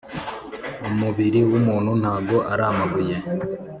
Umubiri wumuntu ntago aramabuye.